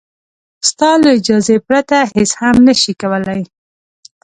ستا له اجازې پرته هېڅ هم نه شي کولای.